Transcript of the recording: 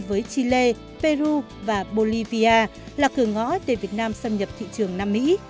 với chile peru và bolivia là cửa ngõ để việt nam xâm nhập thị trường nam mỹ